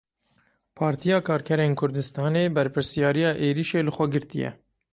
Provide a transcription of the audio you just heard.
Partiya Karkerên Kurdistanê berpirsyariya êrişê li xwe girtiye.